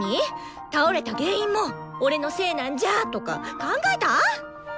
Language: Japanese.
倒れた原因も「俺のせいなんじゃ」とか考えた！？